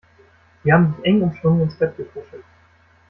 Sie haben sich eng umschlungen ins Bett gekuschelt.